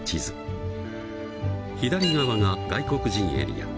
左側が外国人エリア。